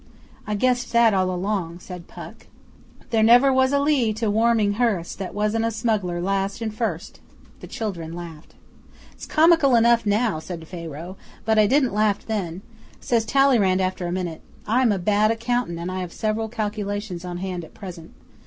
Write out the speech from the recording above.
'I guessed that all along,' said Puck. 'There was never a Lee to Warminghurst That wasn't a smuggler last and first.' The children laughed. 'It's comical enough now,' said Pharaoh. 'But I didn't laugh then. Says Talleyrand after a minute, "I am a bad accountant and I have several calculations on hand at present.